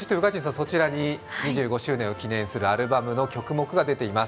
そちらに２５周年を記念するアルバムの曲目が出ています。